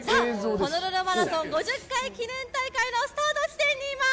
ホノルルマラソン５０回記念大会のスタート地点にいます。